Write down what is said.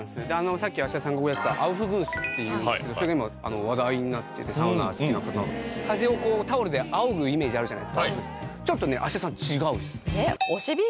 さっき芦田さんがこうやってたアウフグースっていうそれが今話題になっててサウナ好きな方の風をタオルであおぐイメージあるじゃないですかちょっとね芦田さん違うっすえっ？